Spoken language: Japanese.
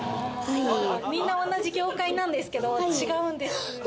みんな同じ業界なんですけれども、違うんです。